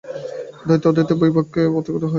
দ্বৈত ও অদ্বৈতের পক্ষে ও বিপক্ষে অনেক তর্ক হইল।